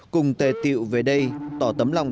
cùng tề tiệu về đây tỏ tấm lòng